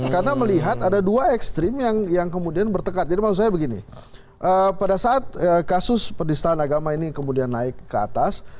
karena melihat ada dua ekstrim yang kemudian bertekad jadi maksud saya begini pada saat kasus perdistahan agama ini kemudian naik ke atas